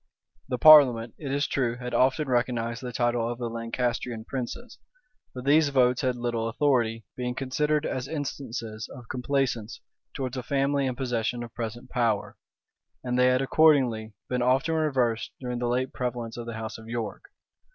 The parliament, it is true, had often recognized the title of the Lancastrian princes; but these votes had little authority, being considered as instances of complaisance towards a family in possession of present power; and they had accordingly been often reversed during the late prevalence of the house of York.